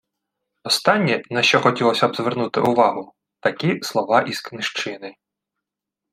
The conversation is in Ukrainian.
Останнє, на що хотілося б звернути увагу, – такі слова із книжчини: